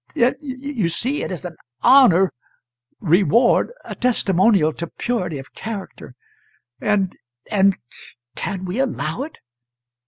It it you see, it is an honour reward, a testimonial to purity of character, and and can we allow it?